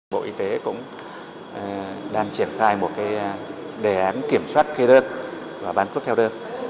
bộ y tế cũng đang triển khai một đề án kiểm soát kê đơn và bán thuốc theo đơn